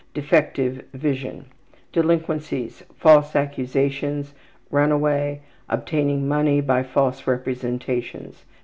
Defective vision. Delinquencies: Mentality: False accusations. Ability fair. Runaway. Obtaining money by false representations.